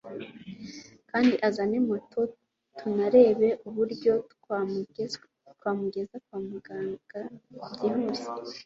kandi azane moto tunarebe uburyo twamugeza kwa muganga byihuse